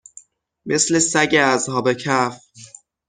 مثل سگ اصحاب کَهف